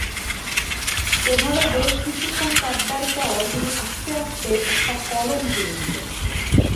এভাবে বেশ কিছুক্ষণ কাটবার পর তিনি আস্তে আস্তে একটা কলম তুলে নিলেন।